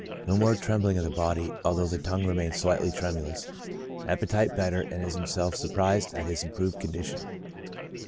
No more trembling of the body, although the tongue remains slightly tremulous ; appetite better, and is himself surprised at his improved condition.